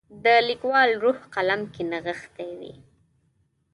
د لیکوال روح قلم کې نغښتی وي.